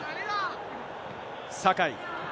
酒井。